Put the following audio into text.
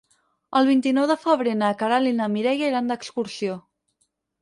El vint-i-nou de febrer na Queralt i na Mireia iran d'excursió.